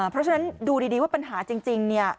เพราะฉะนั้นดูดีว่าปัญหาจริงเนี่ย